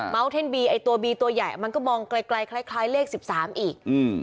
เท่นบีไอ้ตัวบีตัวใหญ่มันก็มองไกลคล้ายเลข๑๓อีก